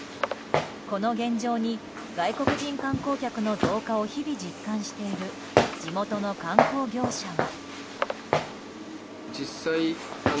この現状に外国人観光客の増加を日々、実感している地元の観光業者は。